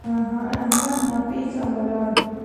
احمد ناپېښه ولاړ.